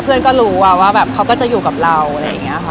เพื่อนก็รู้ว่าแบบเขาก็จะอยู่กับเราอะไรอย่างนี้ค่ะ